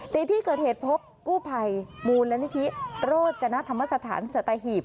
ในที่เกิดเหตุพบกู้ภัยมูลนิธิโรจนธรรมสถานสัตหีบ